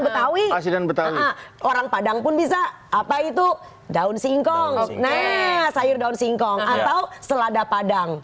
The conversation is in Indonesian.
betawi dan beta orang padang pun bisa apa itu daun singkong nah sayur daun singkong atau selada padang